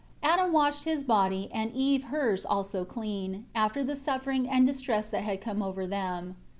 Adam washed his body and Eve hers also clean, after the suffering and distress that had come over them.